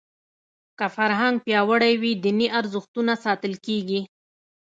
که فرهنګ پیاوړی وي دیني ارزښتونه ساتل کېږي.